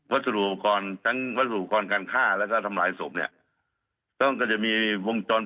วัตถุอวกรณ์ทั้งวัตถุอวกรณ์การฆ่าแล้วก็ทำรายศพเนี้ยจะมีวงจรตตร